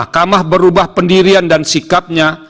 dan berubah pendirian dan sikapnya